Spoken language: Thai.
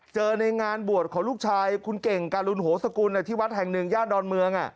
ในงานบวชของลูกชายคุณเก่งการุณโหสกุลที่วัดแห่งหนึ่งย่านดอนเมือง